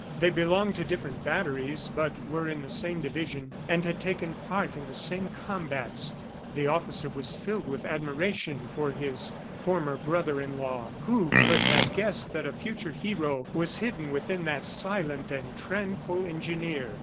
They belonged to different batteries, but were in the same division and had taken part in the same combats. The officer was filled with admiration for his former brother in law. Who could have guessed that a future hero was hidden within that silent and tranquil engineer!